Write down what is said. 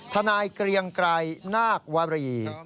นายเกรียงไกรนาควรี